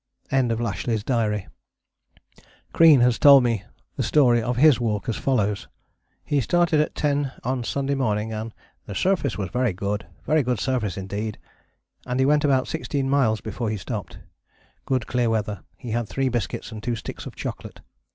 [End of Lashly's Diary.] Crean has told me the story of his walk as follows: He started at 10 on Sunday morning and "the surface was good, very good surface indeed," and he went about sixteen miles before he stopped. Good clear weather. He had three biscuits and two sticks of chocolate.